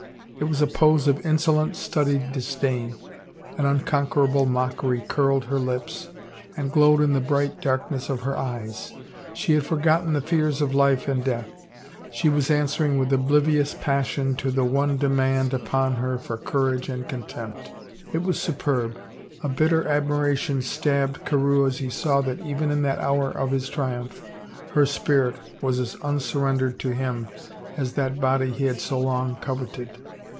It was a pose of insolent, studied disdain; an unconquerable mockery curled her lips, and glowed in the bright darkness of her eyes. She had for gotten the fears of life and death; she was answering with oblivious passion to the one demand upon her for courage and contempt. It was superb; a bitter admira tion stabbed Carewe as he saw that even in that hour of his triumph her spirit was as unsurrendered to him as that body he had so long coveted.